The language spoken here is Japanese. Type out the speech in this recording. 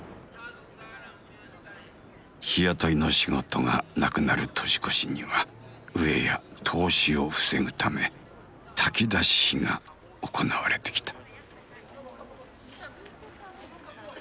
日雇いの仕事がなくなる年越しには飢えや凍死を防ぐため炊き出しが行われてきた。